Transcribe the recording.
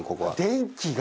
電気が。